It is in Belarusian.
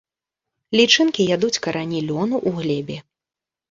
Лічынкі ядуць карані лёну ў глебе.